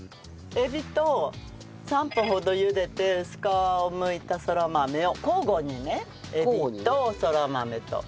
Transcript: エビと３分ほどゆでて薄皮をむいたそら豆を交互にねエビとそら豆と。